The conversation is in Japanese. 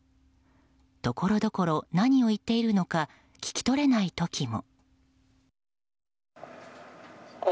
ところどころ何を言っているのか聞き取れない時も。